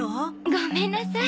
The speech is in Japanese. ごめんなさい。